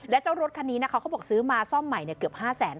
แล้วเจ้ารถคันนี้นะคะเขาบอกซื้อมาซ่อมใหม่เกือบ๕แสน